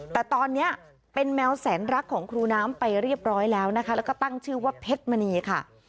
แต่ตอนนี้เป็นแมวแสนรักของครูน้ำไปเรียบร้อยแล้วนะคะแล้วก็ตั้งชื่อว่าเพชรมณีค่ะ